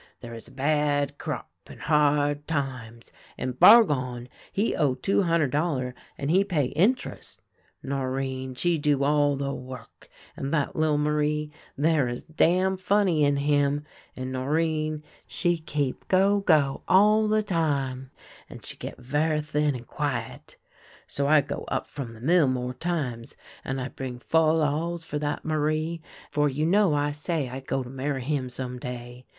There is a bad crop and hard times, and Bargon he owe two hunder' dollar, and he pay int'rest. Norinne, she do all the work, and that little Marie, there is damn funny in him, and No rinne, she keep go, go, all the time, early and late, and she get ver' thin and quiet. So I go up from the mill more times, and I bring fol lols for that Marie, for you know I said I go to marry him some day.